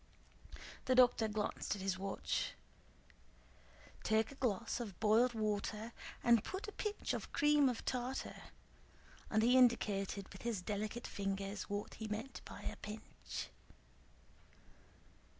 The doctor glanced at his watch. "Take a glass of boiled water and put a pinch of cream of tartar," and he indicated with his delicate fingers what he meant by a pinch.